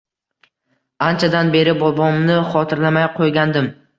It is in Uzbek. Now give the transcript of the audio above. Аnchadan beri bobomni xotirlamay qo‘ygandim.